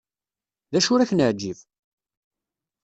D acu ur ak-neεǧib?